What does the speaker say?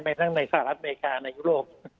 ทั้งในสหรัฐอเมริกาในยุโรป